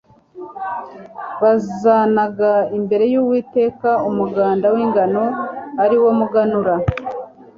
bazanaga imbere`y'Uwiteka umuganda w'ingano ari wo muganura.